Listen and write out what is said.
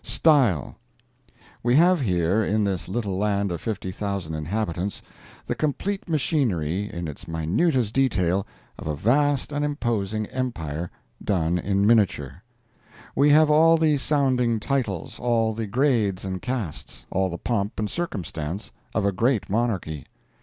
"STYLE" We have here, in this little land of 50,000 inhabitants, the complete machinery, in its minutest details, of a vast and imposing empire, done in miniature. We have all the sounding titles, all the grades and castes, all the pomp and circumstance, of a great monarchy.